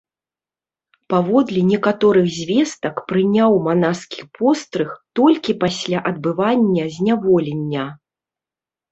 Паводле некаторых звестак, прыняў манаскі пострыг толькі пасля адбывання зняволення.